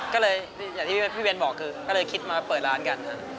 ก็เลยอย่างที่พี่เว้นบอกคือก็เลยคิดมาเปิดร้านกัน